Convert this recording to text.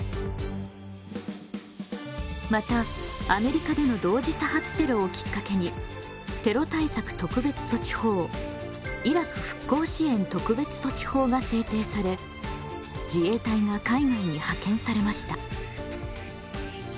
またアメリカでの同時多発テロをきっかけにテロ対策特別措置法イラク復興支援特別措置法が制定され自衛隊が海外に派遣されました。